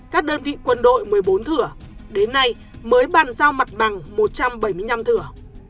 các đơn vị quân đội một mươi bốn thửa đến nay mới bàn giao mặt bằng một trăm bảy mươi năm thửa